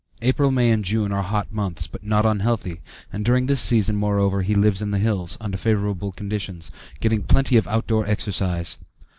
April, May, and June, are hot months, but not unhealthy, and during this season, moreover, he lives in the hills, under favorable conditions, getting plenty of outdoor exercise.